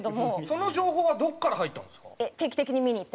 その情報はどこから入ったんですか？